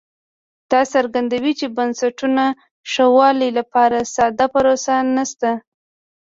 دا څرګندوي چې د بنسټونو ښه والي لپاره ساده پروسه نشته